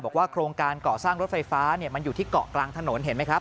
โครงการก่อสร้างรถไฟฟ้ามันอยู่ที่เกาะกลางถนนเห็นไหมครับ